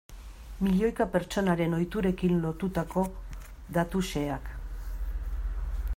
Milioika pertsonaren ohiturekin lotutako datu xeheak.